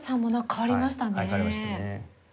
変わりましたね。